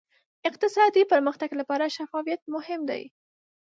اقتصادي پرمختګ لپاره شفافیت مهم دی.